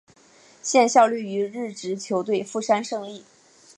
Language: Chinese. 现效力于日职球队富山胜利。